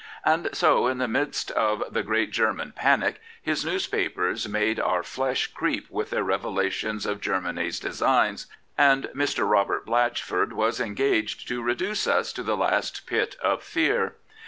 And so in the midst of the great German panic, his newspapers made our flesh creep with their revelations of Germany's designs, and Mr. Robert Blatchford was engaged to reduce us to the last pit of fear.